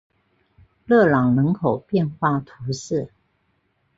勒朗人口变化图示